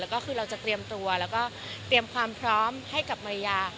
แล้วก็คือเราจะเตรียมตัวแล้วก็เตรียมความพร้อมให้กับมาริยา